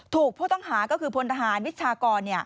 ถูกพลทหารก็คือพลทหารวิชากร